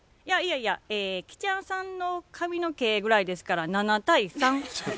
いやいやいや吉弥さんの髪の毛ぐらいですから７対３。